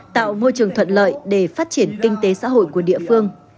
tạo môi trường thuận lợi để phát triển kinh tế xã hội của địa phương